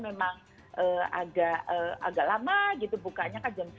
memang agak lama gitu bukanya kan jam sembilan